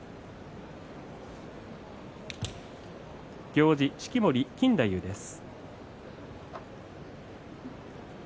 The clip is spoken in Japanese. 行司は式守錦太夫です。